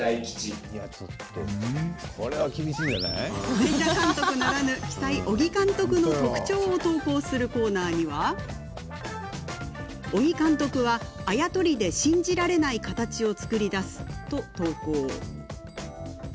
「全裸監督」ならぬ鬼才・小木監督の特徴を投稿するコーナーには小木監督は、「あやとり」で信じられない形を創り出すと投稿。